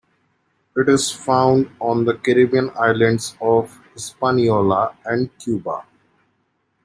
It is found on the Caribbean islands of Hispaniola and Cuba.